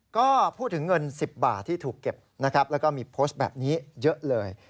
ก็พูดถึงเงิน๑๐บาทที่ถูกเก็บนะครับแล้วก็มีโพสต์แบบนี้เยอะเลย